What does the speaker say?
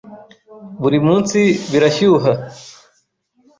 Buri munsi birashyuha.